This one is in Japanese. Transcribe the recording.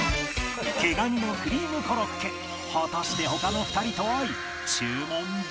毛蟹のクリームコロッケ果たして他の２人と合い注文できるか？